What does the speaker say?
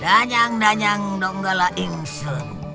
danyang danyang donggalah ingsel